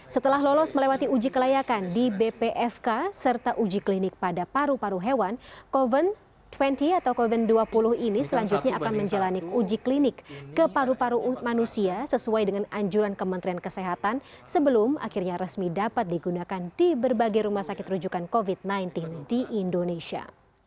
setelah lolos melewati uji kelayakan di bpfk serta uji klinik pada paru paru hewan covent dua puluh ini selanjutnya akan menjalani uji klinik ke paru paru manusia sesuai dengan anjuran kementerian kesehatan sebelum akhirnya resmi dapat digunakan di berbagai rumah sakit rujukan covid sembilan belas di indonesia